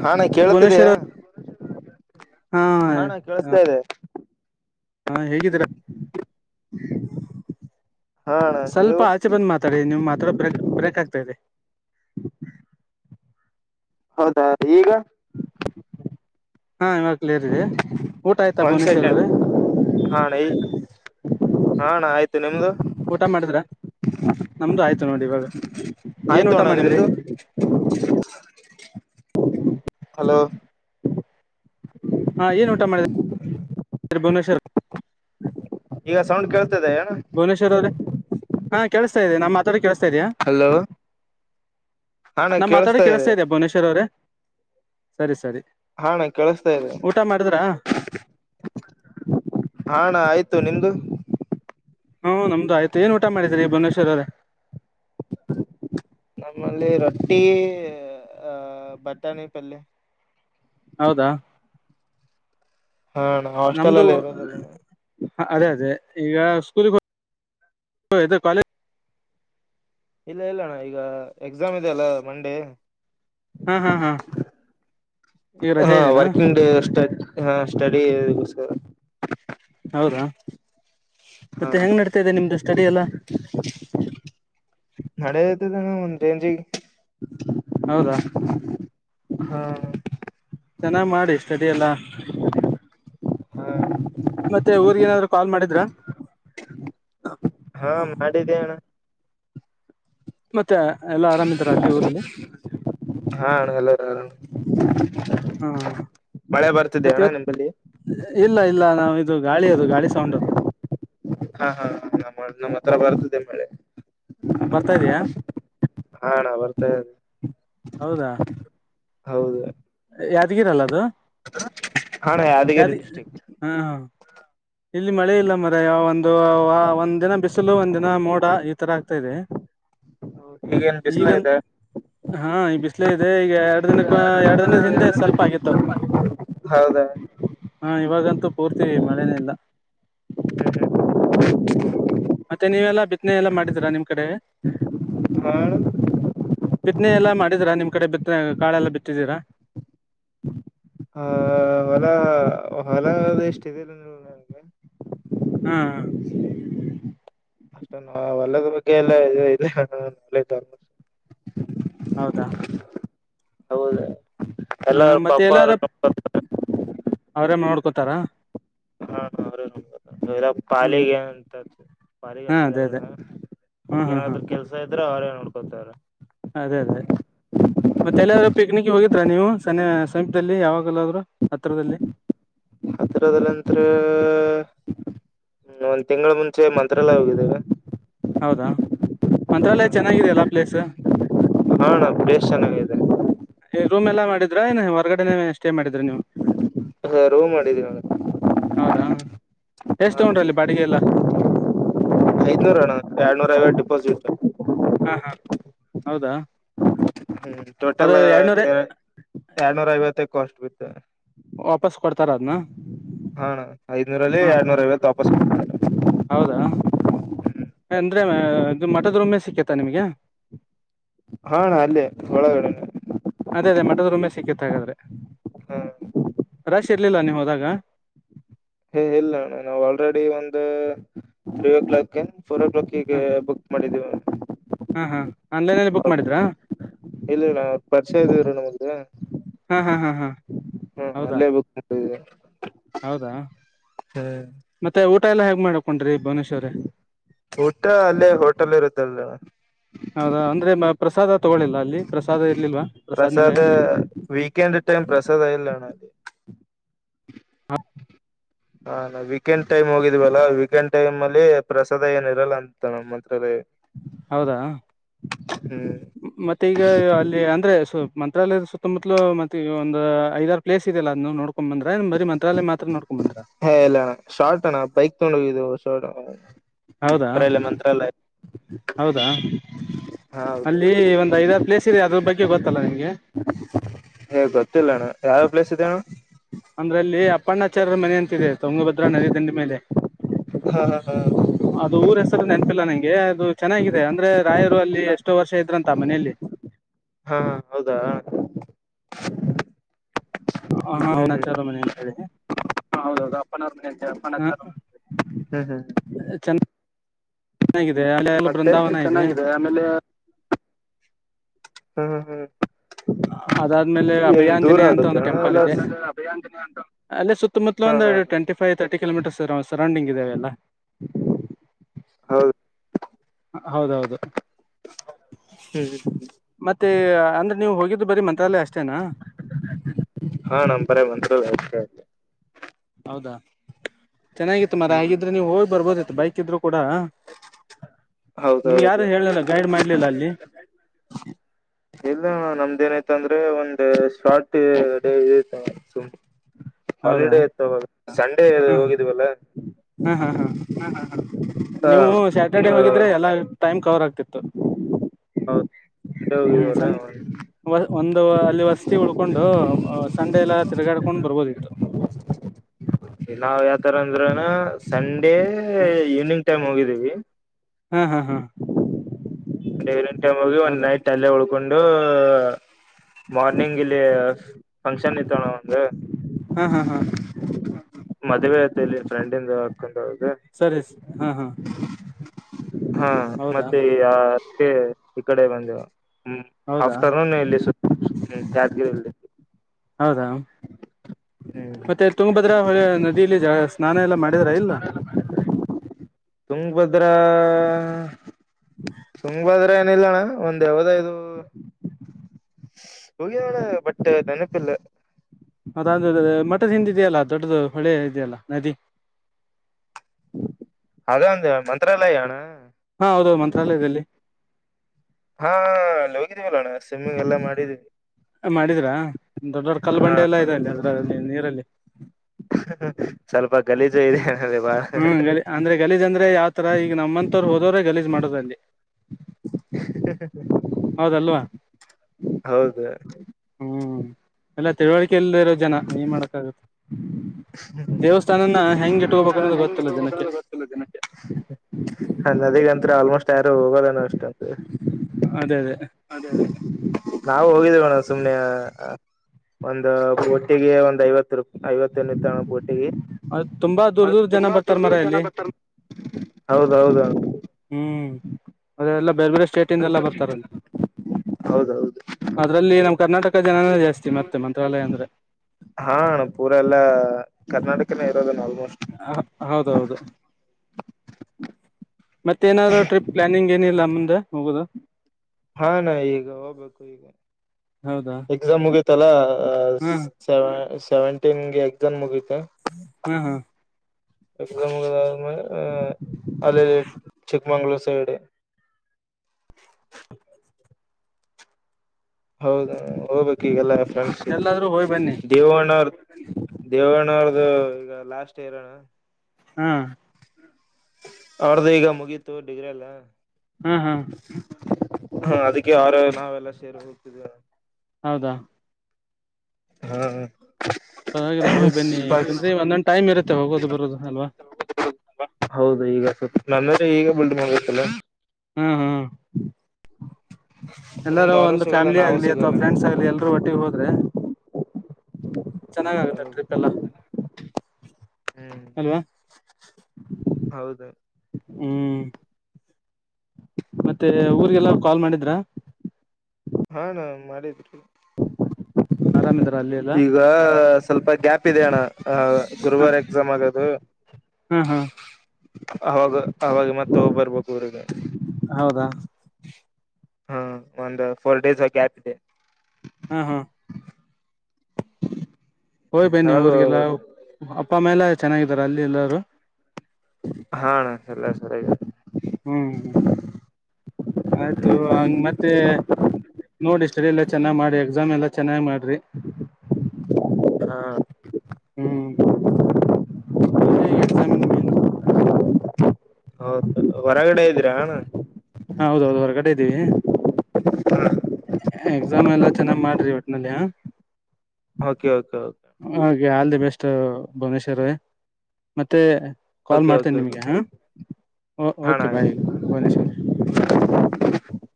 ಹಾ ನಾ ಕೇಳತಿದಯ ಭುವನೇಶ್ವರ್ ಹಾ ಹಣ ಕೇಳಸ್ತಾ ಇದೆ ಹಾ ಹೇಗಿದ್ದೀರ ಹಾ ಅಣ್ಣ ಸ್ವಲ್ಪ ನೀವು ಆಚೆ ಬಂದ್ ಮಾತಾಡಿ ನೀವು್ ಮಾತಾಡ ಬ್ರ ಬ್ರೇಕ್ ಆಗ್ತಾ ಇದೆ ಹೌದ ಈಗ ಹಾ ಇವಾಗ ಊಟ ಆಯ್ತಾ ಒಂದ್ ಭುವನೇಶ್ವರ ಸೆಕೆಂಡ್ ಅವ್ರೀ ಹ ಅಣ್ಣ ಆಯ್ತು ನಿಮ್ದು ಮಾಡಿದ್ರ ನಮ್ದು ಆಯ್ತು ನೋಡಿ ಇವಾಗ ಏನ್ ಆಯ್ತು ಊಟ ಅಣ್ಣ ಮಾಡಿದ್ರಿ ನಿಮ್ದು ಹಲೋ ಹಾ ಏನ್ ಊಟ ಮಾಡಿದೆ ಭುವನೇಶ್ವರ್ ಈಗ ಸೌಂಡ್ ಕೇಳ್ತದೆ ಅಣ್ಣ ಭುವನೇಶ್ವರ್ ಅವ್ರೆ ಹಾ ಕೆೇಸ್ತಾ ಇದೆ ನಮ್ಮತ್ರಕ್ಕೆ ಕೆ ಹಲೋ ಹಾ ಅಣ್ಣ ನಾ ಮಾತಾಡ ಕೇಳಿಸ್ತಾ ಕೇಳಸ್ತಾ ಇದೆ ಇದ ಭುವನೇಶ್ವರ್ ಅವ್ರೆ ಸರಿ ಸರಿ ಅಣ್ಣ ಕೇಳಿಸತಾ ಇ್ರ ಊಟ ಮಾಡಿದ್ರಾ ಅಣ್ಣ ಆಯ್ತು ನಿಮ್ದು ಹಾ ನಮ್ದು ಆಯ್ತು ಏನ್ ಊಟ ಮಾಡಿದರಿ ಭನೇಶ್ವರರ ನಮ್ಮಲ್ಲಿ ರೊಟ್ಟಿ ಅಹ ಬಟಾಣಿ ಪಲ್ಲಿಯ ಹೌದಾ ಹಾಣ ಹಾಸ್ಟೆಲ್ಲ್ ಇರೋದಲ್ಲಣ್ಣ ಹ ಅದೇ ಅದೇ ಈಗ ಸ್ಕೂಲ್ ಕಾಲೇಜ್ ಇಲ್ಲ ಇಲ್ಲ ಅಣ್ಣ ಈಗ ಎಕ್ಸಾಮ್ ಇದೆಲ್ಲ ಮುಂದೆ ಹ್ಮ್ ಹ್ಮ್ ಹಾ ಈಗ ರಜೆ ಹಾ ಇದೆನಾ ವರ್ಕಿಂಗ್ ಡೇ ಸ್ಟ ಹ ಸ್ಟಡಿ ಹೌದಾ ಮತ್ತೆ ಹಾ ಹೆಂಗ್ ನಡ್ತಾದೆ ನಿಮ್ದು ಸ್ಟೆಡಿ ಎಲ್ಲ ನಡದ್ತದಾನ ಒಂದೇಂಜಿಗೆ ಹೌದಾ ಹಾ ಚೆನ್ನಾಗ್ ಮಾಡಿ ಸ್ಟಡಿ ಎಲ್ಲಾ ಹಾ ಮತ್ತೆ ಓದಿ ಏನಾದ್ರು ಕಾಲ್ ಮಾಡಿದ್ರ ಹಾ ಮಾಡಿದ್ದೇಣ ಮತ್ತೆ ಎಲ್ಲಾ ಆರಾಮಿದಾರ ಅಲ್ಲಿ ಹ ಊರಲ್ಲಿ ಹಾಲೋ ಹಾ ಮತ್ತೆ ಇವತ್ ಇಲ್ಲ ಇಲ್ಲ ನಾವ ಇದು ಗಾಳಿ ಅದು ಗಾಳಿ ಸೌಂಡ್ ಅದು ಹಾ ಹಾ ಹ ನಮ್ಮ ಹತ್ರ ಬರ್ತದೆೇ ಮಳೆ ಬರ್ತಾ ಇದಯಾ ಹಾ ಅಣ್ಣ ಬರ್ತನೆ ಹೌದಾ ಹೌದು ಯಾದಗಿರಲ್ಲ ಅದು ಹಾ ಅಣ್ಣ ಯಾದಗಿರಿ ಡಿಸ್ಟ್ರಿಕ್ ಹಾ ಇಲ್ಲಿ ಮಳೆ ಇಲ್ಲ ಮರಯ ಒಂದು ಒಂದ್ ದಿನ ಬಿಸಿಲು ಒಂದ್ ದಿನ ಮೋಡ ಈ ತರ ಆಗ್ತಾ ಇದೆ ಹ ಈಗ ಹಾ ಈ ಬಿಸ್ಲ ಇದೆ ಈಗ ಎರಡು ದಿನಕ್ಕ ಎರ ಹಿಂದೆ ಸ್ವಲ್ಪ ಆಗಿತ್ತು ಹೌದಾ ಹ ಇವಾಗಂತೂ ಪೂರ್ತಿ ಮಳೆನಿಂದ ಹ್ಮ ಹಾ ಮತ್ತೆ ನೀವೆಲ್ಲಾ ಬಿತ್ತನೆ ಎಲ್ಲಾ ಮಾಡಿದೀರಾ ನಿಮ್ ಕಡೆ ಹಾ ಅಣ್ಣ. ಬಿತ್ನೆ ಎಲ್ಲಾ ಮಾಡಿದೀರಾ ನಿಮ್ ಕಡೆ ಬಿತ್ತ ಕಾಳೆಲ್ಲ ಬಿತ್ತಿದ್ದೀರಾ ಹ ಹೊಲ ಹೊಲ ಎಷ್ಟ ಇದಿಲ್ಲ ನೀ ನನ್ಗೆ ಹಾ ಅಷ್ಟ ಹೊಲ್ಲದ ಬಗ್ಗೆ ಎಲ್ಲ ಇ ನ ಹೌದಾ ಹೌದ ಹ ಎಲ್ಲ ಮತ್ತೆ ಪಾಪ ಎಲ್ಲಾರ ಅವ್ರೇ ನೋಡ್ಕೋತಾರ ಹಾ ಅವರು ಎಲ್ಲ ಹ್ಮ್ ಪಾಲಿಗೆ ಏಂತ ಪಾಲಿಗೆ ಹಾ ಅದೇ ಅದೇ ಹಚ್ಚಿದಾರ ಹ್ಮ್ ಹ್ಮ್ ಹ್ಮ್ ಏನಾದ್ರು ಕೆಲ್ಸ ಇದ್ರೆ ಅವ್ರೇ ನೋಡ್ಕೊತವಾರ ಅದೇ ಅದೇ ಮತ್ತೆ ಎಲ್ಲಾದ್ರೂ ಪಿಕ್ನಿಕ್ ಹೋಗಿದ್ರಾ ನೀವು ಸನ ಸಮೀಪದಲ್ಲಿ ಯಾವಾಗಲ್ಲ್ರೂ ಹತ್ರರದಲ್ಲಂತ್ರ ಒ ತಿಂಗಳ ಮುಂಚೆ ಮಂತ್ರಾಲಯ ಹೋಗಿದ್ದೇವೆ. ಹೌದಾ ಮಂತ್ರಾಲಯ ಚೆನ್ನಾಗಿದೆಯಲ್ಲ ಪ್ಲೇಸ್ ಹ ಅಣ್ಣ ಪ್ಲೇಸ್ ಚೆನ್ನಾಗಾಗಿದೆ ರೂಮ್ ಎಲ್ಲ ಮಾಡಿದ್ರ ಏ ಹೊರಗಡೆ ಅಷ್ಟೇ ಮಾಡಿದ ಹಾ ರೂ ಮಾಡಿದ್ದೀ ಹೌದಾ ಎಷ್ಟು ತಗಡ್ರಲ್ಲ ಬಾಡಿಗೆ ಎಲ್ಲ ಐನೂರಣ ಎಳ್ನೂರಐ ಡಿಪೋಸಿಟ್ ಹಾ ಹಾ ಹೌದಾ ಹ್ಮ್ ಅದು ಟೋಟಲ್ ಎರಡ್ನೂರ ಎರಡು ನೋರ ಐವತ್ತಕ್ಕ ಅಷ್ಟಟ್ ಬಿತ್ತು ವಾಪಸ್ ಕೊಡ್ತಾರ ಅದ್ನ್ ಹಣ ಐದನೂರಲ್ಲಿ ಎರಡ್ನೂರಐ ವಾಪಸ್ ಕೊಡ್ತಾರೆ ಹೌದಾ ಅಂದ್ರೆ ಇದು ಮಠದೊಮ್ಮೆ ಸಿಕ್ಕೇತ ನಿಮ್ಗೆ ಹಣ ಅಲ್ಲೇ ಒಳಗಡೆ ಅದೇ ಅದೇ ಮಠದ್ರೊಮ್ಮೆ ಸಿಕ್ಕತ್ ಹಾಗಾದ್ರೆ ಹ್ಮ್ ಕಶ್ ಇರ್ಲಿಲ್ಲ ನೀವ ಹೋದಾಗ ಏ ಇಲ್ಲ ಆಲ್ರೆಡಿ ಒಂದು ತ್ರಿ ಓ ಕ್ಲಾಕ್ ಏ ಫೋರ್ ಓ ಕ್ಲಾಕಿಗೆ ಹ ಬುಕ್ ಮಾಡಿದ್ದೀವಿ. ಹಾ ಹಾ ಆನ್ಲೈನ್ ಬುಕ್ ಅವ್ರ್- ಮಾಡಿದ್ರಾ. ಇಲ್ಲ ಅವ್ರ ಪರಿಚಯ ಇದೇವ್ರ ನಮ್ದ. ಹಾ ಹಾ ಹಾ ಹಾ ಹ್ಮ ಹೌದಾ ಅಲ್ಲೇ ಬುಕ್. ಹೌದಾ ಹ್ಮ್ ಮತ್ತೆ ಊಟ ಎಲ್ಲ ಹೇಗ್ ಮಾಡಕೊಂಡ್ರಿ ಭುವನೇಶ್ವರಿ. ಊಟ ಅಲ್ಲೇ ಹೋಟೆಲ್ ಇರುತ್ತಲ್. ತಗೊಳ್ಳಿಲ್ಲ ಅಲ್ಲಿ ಪ್ರಸಾದ ಇರ್ಲಿಲ್ವಾ. ಪ್ರಸಾದ್ ನಿಲಯ ಪ್ರಸಾದಾದ ವೀಕೆಂಡ್ ಟೈಮ ಪ್ರಸಾದ ಇಲ್ಲಣ ಅ. ಹ ನಾ ವೀಕೆಂಡ್ ಟೈಮ್ ಹೋಗಿದ್ವಲ್ಲ ವೀಕೆಂಡ್ ಟೈಮ್ ಅಲ್ಲಿ ಪ್ರಸಾದ ಏನಿರಲ್ಲ ಅಂತ ನಮ್ಮ್ ಮಂತ್ರಲ್ಲಿ. ಹೌದಾ ಹ್ಮ್ ಮತ್ತೆ ಈಗ ಅಲ್ಲಿ ಅಂದ್ರೆ ಸ್. ಮಂತ್ರಾಲಯದ ಸುತ್ತಮುತ್ತಲ ಮ ಈ ಒಂದು ಐದ ಪ್ಲೇಸ್ ಇದೆಲ್ಲ ಅದ ನೋಡ್ಕೊಂಡ್ ಬಂದ್ರೆ ಬರ ಮಂತ್ರಾಲಯ ಮಾತ್ರ ನೋ. ಹಾ ಇಲ್ಲ ಅಣ್ಣ ಶಾರ್ಟ್ ಅಣ್ಣ ಬೈಕ್ ತಗೊಂಡು ಹೋಗು ಶಾರ್ಟ್ ಅಣ. ಹೌದಾ ಬಯಲ ಮಂತ್ರಾಲಯ. ಹೌದಾ. ಹಾ ಹೌದು ಅಲ್ಲಿ ಒಂದ್ ಐದಾರು ಪ್ಲೇಸ್ ಇದೆ ಅದ್ರ ಬಗ್ಗೆ ಗೊತ್ತಲ್ಲ ನಿಮ್ಗೆ. ಹೇ ಗೊತ್ತಿಲ್ಲಣ್ಣ ಯಾವ. ಪ್ಲೇಸ್ ಇದೆ ಅಣ್ಣ ಅಂದ್ರಲ್ಲಿ ಅಪ್ಪಣ್ಣಾಚಾರ್ಯರ ಮನೆ ಅಂತಿದೆ ತುಂಗಭದ್ರ ನದಿ ತಂಡಿ ಮೇಲೆ. ಹಾ ಹಾ ಹಾ ಅದು ಊರ್ ಹೆಸರು ನೆನಪಿಲ್ಲ ನಂಗೆ ಅದು ಚೆನ್ನಾಗಿದೆ ಅಂದ್ರೆ. ರಾಯರು ಅಲ್ಲಿ ಎಷ್ಟೋ ವರ್ಷ ಇದ್ರಂತ ಮನೆಯಲ್ಲಿ. ಹಾ ಹೌದಾ. ಹ ಹ್ಮ್ ಹ್ಮ್ ಅವನಚಾರ ಹ್ಮ್ ಮನೆ ಅಂತ ಹೇಳಿ. ಹ ಹೌದೌದು ಅಪ್ಪನ್ರ ಮತೇವೆ ಅಪ್ಪನ ಹ, ಅಚಾರ ಹ ಹ. ಚೆನ್ನಾಗಿದೆ ಅಲ್ಲಿ ಅಲ್ಲಿ ಮತ್ತೆ ಬೃಂದಾವನ ಇದೆ ಚೆನ್ನಾಗಿದೆ ಆಮೇಲೆ. ಹ್ಮ್ ಹ ಹ್ಮ್. ಅದಾದ್ಮೇಲೆ ಏನ್ ದೂರ ಅಭಯಾಂಜನ ಅಂತ ಆಗುತ್ತೆ ಒಂದು ಟೆಂಪಲ್ ಇಲ್ಲ ಇದೆ. ಅಭಯಾಂಜನಿ ಅಂತ ಅಲ್ಲಿ ಸುತ್ತಮುತ್ತಲ ಹಾ ಒಂದು ಹಾ ಟ್ವೆಂಟಿ ವ್ ತರ್ಟಿ ಕಿಲೋಮೀಟರ್ಸ್ ಇರ ಅರೌಂಡಿಂಗ್ ಇದ್ದಾವ ಎಲ್ಲ. ಹೌದು. ಹೌದೌದು ಹ್ಮ್ ಹ್ಮ್ ಮತ್ತೆ. ಅಂದ್ರೆ ನೀವು ಹೋಗಿದ್ದು ಬರೀ ಮಂತ್ರಾಲಯ ಅಷ್ಟೇ. ಹಾ ನಮ್ಮ್ ಬರ ಮಂತ. ಹೌದಾ. ಚೆನ್ನಾಗಿತ್ತು ಮರ ಹ್ಮ್ ಹಾಗಿದ್ರೆ ನೀವು ಹೋಗಿ ಬರ್ಬೋದಿತ್ತು ಬೈಕ್ ಇದ್ರು ಕೂಡಾ. ನಿಮ್ಗೆ ಯಾರು ಹೌದೌದು ಹೇಳಲಿಲ್ಲ ಗೈಡ್ ಮಾಡ್ಲಿಲ್ಲ ಅಲ್ಲಿ. ಇಲ್ಲ ನಮ್ದ ನಐತ ಅಂದ್ರೆ ಒಂದ ಶಾರ್ಟ್ ಡೇ ಇದತ ಸುಮನೆ. ಹೌದಾ ಹಾಲಿಡೇ ಇತವ ಸಂಡೇ ಹಾಂ ಹೋಗಿದವಲ್ಲ. ಹಾಂ ಹಾಂ ಹಾಂ ನೀವು ಸ್ಯಾಟರ್ಡೆೇ ಹೋಗಿದ್ರೆ ಎಲ್ಲ ಟೈಮ್ ಕವರ್ ಆಗ್ತಿತ್ತು. ಹೌದು ಸಂಡೆ ಹ್ಮ್ ಹೋಗಿದವಲ್ಲ. ಸಣ್ಣ ಒಂದು ಅಲ್ಲಿ ವಸತಿ ಉಡ್ಕೊಂಡು ಸಂಡೆ ಎಲ್ಲಾ ತಿರ್ಗಾಡ್ಕೊಂಡ್ ಬರ್ಬೋದಿ. ನಾವ್ ಯಾವತರ ಅಂದ್ರನ ಸಂಡೇ ಈವ್ನಿಂಗ್ ಟೈಮ್ ಹೋಗಿದ್ದೀವಿ. ಹ್ಮ ಹಾ ಹಾ. ಒಂದು್ ಈವ್ನಿಂಗ್ ಟೈಮ್ ಹೋಗಿ ಒಂದ್ ಹೌದಾ ನೈಟ್ ಅಲ್ಲೇ ಉಳ್ಕೊಂಡು. ಮಾರ್ನಿಂಗ್ ಇಲ್ಲಿ ಫಂಕ್ಷನ್ ಇತ್ತವಣ ಒಂದು. ಹಾ ಹಾ ಹಾ. ಮದ್ೆ ಅಲ್ಲಿ ಫ್ರೆಂಡಂದ ಹಾಕ. ಸರಿ ಹಾ ಹಾ. ಹಾ ಹೌದಾ ಮತ್ತೆ ಆ ಈ ಕಡೆ ಬಂದೇವ. ಹ್ಮ್ ಹೌದಾ ಆಫ್ಟರ್ನೂನ್ ಎಲ್ಲಿ ಸುತ್ತ್ಮ ಯಾದಗಿರಿ ಇಲ್ಲಿ. ಹೌದಾ. ಹ್ಮ್ ಮತ್ತೆ ತುಂಗಭದ್ರಾ ಹೊಳೆ ನದಿಲಿ ಜ ಸ್ನಾನ ಎಲ್ಲ ಮಾಡಿದ್ರ ಇಲ್ಲ. ತುಂಗಭದ್ರ ಹ್ಮ ತುಂಗ್ ಬಾದ್ರೆ ಏನಿಲ್ಲ ಅಣ್ಣ ಒಂದ ಯಾವದ ಹ ಹೋಗಿದಳ ಬಟ್ ನೆನಪಿಲ್ಲ ಅದಾದ ಮಠದ ಹಿಂದ ಇದೆಯಲ್ಲ ದೊಡ್ಡದು ಹೊಳೆ ಇದೆಯಲ್ಲ ನದಿ ಅದ ಒಂದು ಮಂತ್ರಾಲಯಣ ಹಾ ಹೌದೌದು ಮಂತ್ರಾಲಯದಲ್ಲಿ ಹಾ ಅಲ್ಲ ಹೋಗಿದೀವಲ್ಲೋಣ್ಣ ಸ್ವಿಮ್ಮಿಂಗ್ ಎಲ್ಲಾ ಮಾಡಿದೀವಿ ಮಾಡಿದ್ರಾ ದೊಡ್ಡವ ಕಲ್ಲ ಬಂಡೆ ಎಲ್ಲಾ ಇದೆ ಅಲ್ಲಿ ಅದ್ರಲ್ಲಿ ನೀರಲ್ಲಿ ಸ್ವಲ್ಪ ಗಲೀಜು ಇದೆ ಅದೆ ಬಾಳ ಹ್ಮ ಗಲಿ ಅಂದ್ರೆ ಗಲೀಜ್ ಅಂದ್ರೆ ಯಾವ್ತರ ಈ ಈಗ ನಮ್ಮಂತವರು ಹೋದೋ್ರ ಗಲೀಜು ಮಾಡುದಲ್ಲಿ ಹೌದಲ್ವಾ ಹೌದು ಹ್ಮ್ ಎಲ್ಲ ತಿಳುವಳಿಕೆಲ್ಲ ಇರೋ ಜನ ನೀನ್ ಮಾಡಕ್ಕ ಆಾಗುತ್ತೆ ದೇವಸ್ಥಾನನ ಹೆಂಗ್ ಇಟ್ಕೋಬೇಕು ಅನ್ನೋದು ಹೆಂಗ ಇಟ್ಟ ಗೊತ್ತಿಲ್ಲ ಜನಕ್ಕೆ ಹೋಗ ಗೊತ್ತಿಲ್ಲ ದಿನಕ್ಕೆ ನದಿಗಂತ್ರ ಆಲ್ಮೋಸ್ಟ್ ತಾರ ಹೋಗೋದನ ಅಷ್ಟಂತ ಅದೇ ಅದೇ ನಾವು ಹೋಗಿದೇವಣ್ಣ ಸುಮ್ನೆ ಒಂದು ಒಟ್ಟಿಗೆ ಒಂದ್ ಐವತ್ತು ರೂಾಯಿ ಐ ಬೋಟಿಗೆ ಅದ್ ತುಂಬಾ ದೂರ್ ಅದ ದೂರ್ ಜನ ತುಂಬಾ ಬರ್ತಾರ ದೂರ್ ಮರ ದೂರ್ ಜನ ಇಲ್ಲಿ ಬರ್ತಾರ ಹೌದೌದ ಹ್ಮ್ ಅದಲ್ಲ ಬೇರೆ ಬೇರೆ ಸ್ಟೇಟಿಂದ ಎಲ್ಲ ಬರ್ತಾರಲ್ಲಿ ಹೌದೌದು ಅದ್ರಲ್ಲಿ ನಮ್ಮ್ ಕರ್ನಾಟಕ ಜನನೇ ಜಾಸ್ತಿ ಮತ್ತೆ ಮಂತ್ರಾಲಯ ಅಂದ್ರೆ ಹಾಣ ಪೂರ ಎಲ್ಲ ಕರ್ನಾಟಕನೇ ಇರೋದ ಆಲ್ಮೋಸ್ಟ್ ಹ ಹೌದೌದು ಮತ್ತೆ ಏನಾದ್ೂ ಟ್ರಿಪ್ ಪ್ಲಾನಿಂಗ್ ಏನಿಲ್ಲ ಮುಂದೆ ಹೋಗುದು ಹಾ ನಾ ಈಗ ಬೇಕೇಕು ಈಗ ಹೌದಾ ಎಕ್ಸಾಮ್ ಮುಗಿತಲ್ಲ ಹ್ಮ ಸೆವೆಂಟೀನ್ಗೆ ಎಕ್ಸಾಮ್ ಮುಗ ಹ್ಮ್ ಹ್ಮ್ ಅ ಚಿಕ್ಕಮಂಗಳೂರು ಎೇಳ ಹೌದು ಹೋಗ್ು ಈಗೆಲ್ಲ ಫ್ರೆಂಡ್ಸ್ ಎಲ್ಲಾದ್ರೂ ಹೋಯ್ ಬನ್ನಿ ದೇವಣ್ಣ ಅವ್ರ ದೇವ್ಣ ಅವ್ರದು ಈಗ ಲಾಸ್ಟ್ ಏರೋಣ ಹ್ಮ್ ಆಡ್ದ ಈಗ ಮುಗೀತು ಡಿಗ್ರ ಎಲ್ಲ ಹ್ಮ್ ಹ್ಮ ಹ ಅದಕ್ಕೆ ಯಾರ ನಾವೆಲ್ಲಾ ಸೇರ್ ಹೋಗ್ತಿದೇ ಹೌದಾ ಹ ಪರ್ವಾಗಿಲ್ಲ ಹೋಗ್ ಬನ್ನಿ ಯಾಕಂದ್ರೆ ಒಂದೊಂದು ಟೈಮ್ ಇರುತ್ತೆ ಹೋಗೋದು ಒಂದ್ ಒಂದ್ ಬರೋದು ಟೈಮ್ ಇರುತ್ತೆ ಅಲ್ವಾ ಒಬ್ ಒಬ್ರುದು ಹೌದು ಈಗ ಸ್ವಪ ನಂದ್ರೆ ಈಗ ಬಿಲ್ಡ್ ಮಾಡ್ಬೇಕಲ ಹ ಹ ಮತ್ತೆ ಮುಂದ್ ಎಲ್ಲರೂ ಅವರು ಒಂದು ಸಿಗಲ್ಲ ಫ್ಯಾಮಿಲಿ ನಾವು ಆಗ್ಲಿ ಅಥವಾ ಸಿಗಲ್ಲ ಫ್ರೆಂಡ್ಸ್ ಆಗ್ಲಿ ಎಲ್ಲರೂ ಒಟ್ಟಿಗೆ ಹೋದ್ರೆ ಚೆನ್ನಾಗ ಆಗತ್ತೆ ಹೌದೌದು ಟ್ರಿಪ್ ಎಲ್ಲ ಹ್ಮ್ ಅಲ್ವಾ ಹೌದು ಹ್ಮ್ ಮತ್ತೆ ಊರ್ಗೆಲ್ಲ ಕಾಲ್ ಮಾಡಿದ್ರಾ ಹಾ ಅಣ್ಣ ಮಾಡಿದ್ರು ಆರಾಮ್ ಇದರ ಅಲ್ಲಿ ಎಲ್ಲ ಈಗ ಸ್ವಲ್ಪ ಗ್ಯಾಪ್ ಇದೆ ಅಣ್ಣ ಆ ಗುರುವಾರ ಎಕ್ಸಾಮ್ ಆಗೋದು ಹ ಹ ಹೌದು ಅವಾಗ ಅವಾಗ ಮತ್ ಹೋಗ ಬರ್ಬೇಕು ಊರಿಗೆ ಹೌದಾ [inaudible] ಹಾ ಒಂದು ಫೋರ್ ಡೇಸ್ ಹ ಗ್ಯಾಪ್ ಇದೆ ಹ ಹ ಹೋಯ್ ಬನ್ನಿ ಅವಾಗ ಊರ್ರಿಗೆಲ್ಲ ಹೋಗ್ಬೇಕು. ಅಪ್ಪ ಅಮ್ಮ ಎಲ್ಲ ಚೆನ್ನಾಗಿದಾರ ಅಲ್ಲಿ ಎಲ್ಲರೂ ಹ ಅನ ಎಲ್ಲ ಸರಿಗಿ ಹು ಹು ಆಯ್ತು ತಗೋ ಹಂಗ್ ಮತ್ತೆ ನೋಡಿಸ್ಟ್ [unintelligible] ಎಲ್ಲ ಚೆನ್ನಾಗಿ ಮಾಡಿ ಎಕ್ಸಾಮ್ ಎಲ್ಲ ಚೆನ್ನಾಗ್ ಮಾಡ್ರಿ ಹಾ ಹು [inaudible] ಹೌದು ಹೊರಗಡೆ ಇದೀರಾಣ ಹ ಹೌದೌದು ಹೊರಗಡೆ ಇದ್ದೀವಿ ಎಕ್ಸಾಮ್ ಎಲ್ಲ ಚೆನ್ನಾಗ್ ಮಾಡ್ರಿ ಒಟ್ನಲ್ಲಿ ಕೆ ಓಕೆ ಕೆ ಹಾಗೆ ಆಲ್ ದಿ ಬೆಸ್ಟ್ ಭುವನೇಶ್ವರ್ ಮತ್ತೆ ಕಾಲ್ ಓಕೆ ಮಾಡ್ತನೆ ಓಕೆ ನಿಮಗೆ ಓಕೆ ಹಾಂ ಹಾ ಅಣ್ಣ ಓಕೆ ಬಾಯ್ ಆಯ್ತು ಭುವನೇಶ್ವರ್ [inaudible]